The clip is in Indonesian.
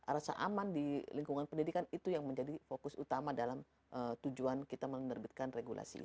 rasa aman di lingkungan pendidikan itu yang menjadi fokus utama dalam tujuan kita menerbitkan regulasi